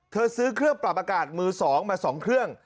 ซื้อเครื่องปรับอากาศมือ๒มา๒เครื่อง